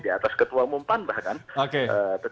di atas ketua bum empat bahkan oke